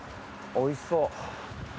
おいしそう。